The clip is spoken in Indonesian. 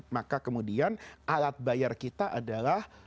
maka kemudian alat bayar kita adalah